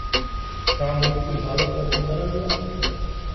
ڇا ملڪي حالتون سڌرنديون؟